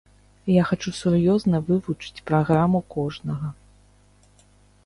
Я хачу сур'ёзна вывучыць праграму кожнага.